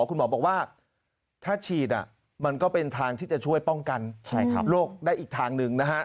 คุณหมอบอกว่าถ้าฉีดมันก็เป็นทางที่จะช่วยป้องกันโรคได้อีกทางหนึ่งนะฮะ